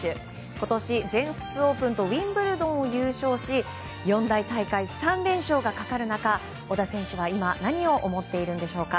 今年、全仏オープンとウィンブルドンを優勝し四大大会３連勝がかかる中小田選手は今何を思っているんでしょうか。